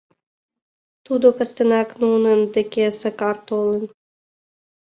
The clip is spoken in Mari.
Тудо кастенак нунын деке Сакар толын.